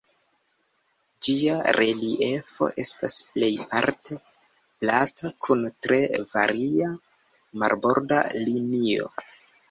Ĝia reliefo estas plejparte plata, kun tre varia marborda linio.